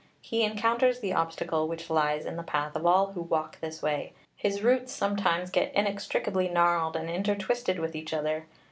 He encounters the obstacle which lies in the path of all who walk this way. His roots sometimes get inextricably gnarled and intertwisted with each other.